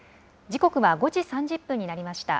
時刻は５時３０分になりました。